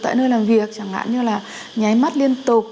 tại nơi làm việc chẳng hạn như là nháy mắt liên tục